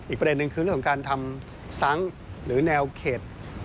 อีกประเด็นหนึ่งคือในเรื่องการทำเซั้งหรือแนวเข็ด